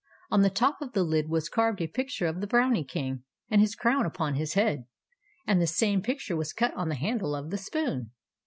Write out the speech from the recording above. On the top of the lid was I carved a picture of the Brownie King with his crown upon his head, and the same I picture was cut on the handle of the spoon.